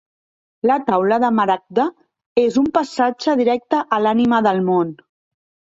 La Taula de Maragda és un passatge directe a l'Ànima del Món.